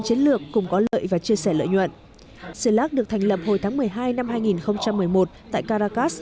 chiến lược cùng có lợi và chia sẻ lợi nhuận cilac được thành lập hồi tháng một mươi hai năm hai nghìn một mươi một tại caracas